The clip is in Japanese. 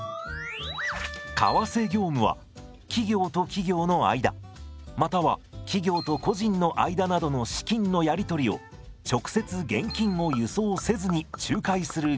為替業務は企業と企業の間または企業と個人の間などの資金のやり取りを直接現金を輸送せずに仲介する業務のことです。